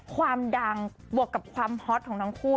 ความดังบวกกับความฮอตของทั้งคู่